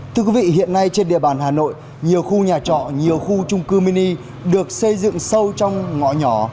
thưa quý vị hiện nay trên địa bàn hà nội nhiều khu nhà trọ nhiều khu trung cư mini được xây dựng sâu trong ngõ nhỏ